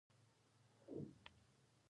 کوتره هره ورځ الوت کوي.